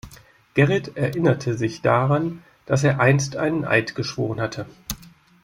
Gerrit erinnerte sich daran, dass er einst einen Eid geschworen hatte.